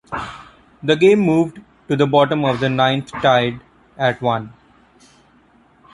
The game moved to the bottom of the ninth tied at one.